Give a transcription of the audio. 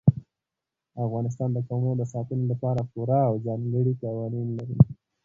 افغانستان د قومونه د ساتنې لپاره پوره او ځانګړي قوانین لري.